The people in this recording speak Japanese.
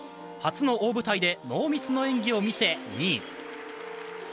初の大舞台でノーミスの演技を見せ、２位。